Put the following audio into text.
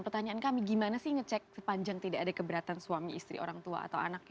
pertanyaan kami gimana sih ngecek sepanjang tidak ada keberatan suami istri orang tua atau anaknya